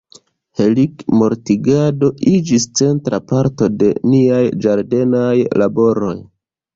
Helikmortigado iĝis centra parto de niaj ĝardenaj laboroj.